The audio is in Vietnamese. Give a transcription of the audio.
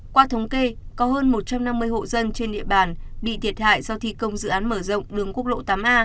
qua thống kê có hơn một trăm năm mươi hộ dân trên địa bàn bị thiệt hại do thi công dự án mở rộng đường quốc lộ tám a